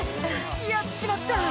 「やっちまった！